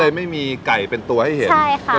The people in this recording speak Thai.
ก็เลยไม่มีไก่เป็นตัวให้เห็นใช่ค่ะ